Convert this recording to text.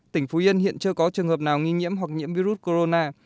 tỉnh phú yên hiện chưa có trường hợp nào nghi nhiễm hoặc nhiễm virus corona